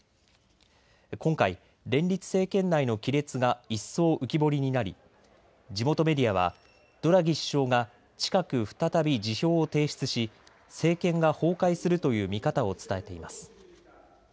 今回、連立政権内の亀裂が一層浮き彫りになり地元メディアはドラギ首相が近く再び辞表を提出し、政権が崩壊するという見方を伝えています。